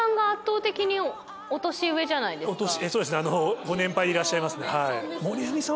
お年そうですねご年配でいらっしゃいますね。